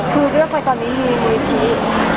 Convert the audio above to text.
คือเลือกไปตอนนี้มีมูลิธิ